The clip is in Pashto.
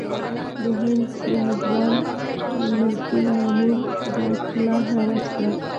د هند یو ځوان ملکي مامور دا اصطلاح رواج کړه.